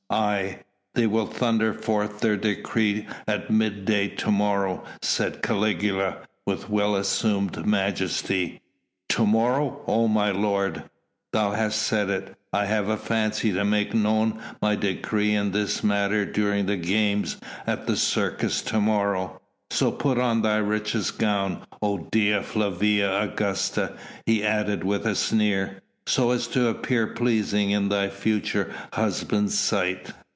"Aye! They will thunder forth their decree at midday to morrow," said Caligula, with well assumed majesty. "To morrow, O my lord?" "Thou hast said it. I have a fancy to make known my decree in this matter during the games at the Circus to morrow. So put on thy richest gown, O Dea Flavia Augusta," he added with a sneer, "so as to appear pleasing in thy future husband's sight."